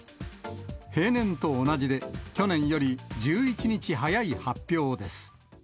平年と同じで、去年より１１日早い発表です。